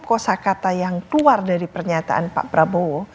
kosa kata yang keluar dari pernyataan pak prabowo